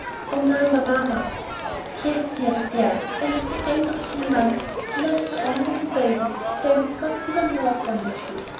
"Oh, Mamma, Mamma!" "Yes, dearie, there! and at the end of three months I lost my own little baby and then I got even more fond of you.